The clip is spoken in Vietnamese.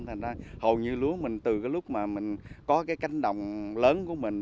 thành ra hầu như lúa mình từ cái lúc mà mình có cái cánh đồng lớn của mình